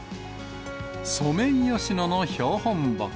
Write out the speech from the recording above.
ソメイヨシノの標本木。